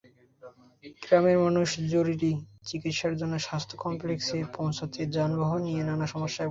গ্রামের মানুষ জরুরি চিকিৎসার জন্য স্বাস্থ্য কমপ্লেক্সে পৌঁছাতে যানবাহন নিয়ে নানা সমস্যায় পড়ে।